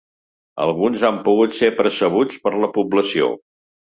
Alguns han pogut ser percebuts per la població.